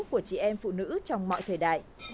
của chị em phụ nữ trong mọi thời đại